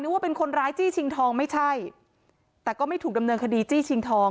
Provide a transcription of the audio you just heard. ว่าเป็นคนร้ายจี้ชิงทองไม่ใช่แต่ก็ไม่ถูกดำเนินคดีจี้ชิงทอง